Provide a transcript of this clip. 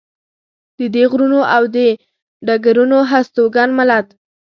د دې غرونو او دې ډګرونو هستوګن ملت.